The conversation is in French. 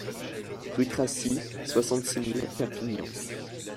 Rue Tracy, soixante-six mille Perpignan